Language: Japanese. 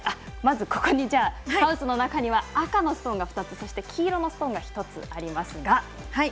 ハウスの中には赤のストーンが１つそして、黄色のストーンが１つありますが。